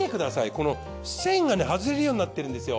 この栓がね外れるようになってるんですよ。